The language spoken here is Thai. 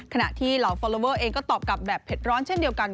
ขณะที่เหล่าฟอลลอเวอร์เองก็ตอบกลับแบบเผ็ดร้อนเช่นเดียวกัน